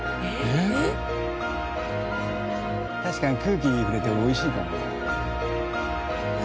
確かに空気に触れて美味しいかもね。